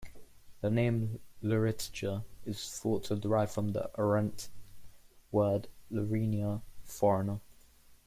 The name "luritja" is thought to derive from the Arrernte word "lurinya", 'foreigner'.